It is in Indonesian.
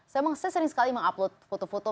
saya sering sekali mengupload foto foto